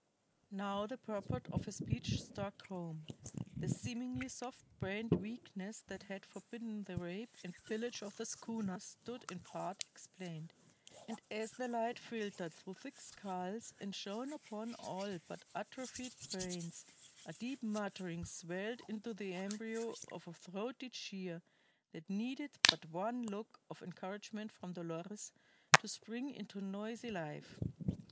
Now the purport of her speech struck home; the seemingly soft brained weakness that had forbidden the rape and pillage of the schooner stood in part explained. And as the light filtered through thick skulls and shone upon all but atrophied brains, a deep muttering swelled into the embryo of a throaty cheer that needed but one look of encouragement from Dolores to spring into noisy life.